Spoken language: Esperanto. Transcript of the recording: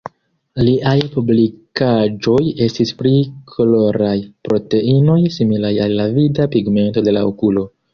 Liaj publikaĵoj estis pri koloraj proteinoj similaj al la vida pigmento de la okulo.